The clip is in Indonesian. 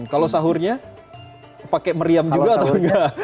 kalau sahurnya pakai meriam juga atau enggak